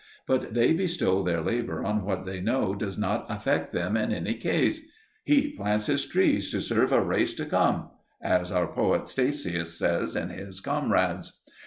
But they bestow their labour on what they know does not affect them in any case: He plants his trees to serve a race to come, as our poet Statius says in his Comrades.